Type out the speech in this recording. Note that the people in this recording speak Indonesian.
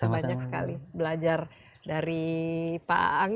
banyak sekali belajar dari pak aang